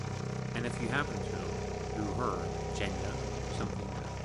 And if you happen to, do her, Jenya, something good.